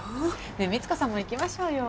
ねえ三津子さんも行きましょうよ。